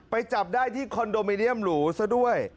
จับได้ที่คอนโดมิเนียมหรูซะด้วย